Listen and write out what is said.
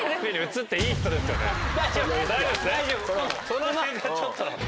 その辺がちょっと。